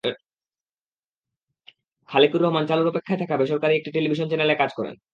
খালেকুর রহমান চালুর অপেক্ষায় থাকা বেসরকারি একটি টেলিভিশন চ্যানেলে কাজ করেন।